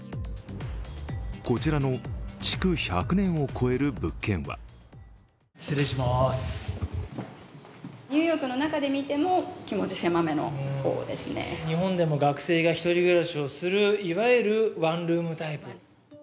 こちらの築１００年を超える物件は日本でも学生が１人暮らしをするいわゆるワンルームタイプ。